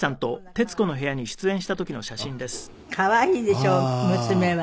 可愛いでしょ娘は。